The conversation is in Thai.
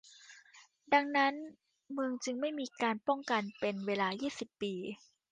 ดังนั้นเมืองจึงไม่มีการป้องกันเป็นเวลายี่สิบปี